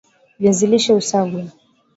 viazi lishe husagwa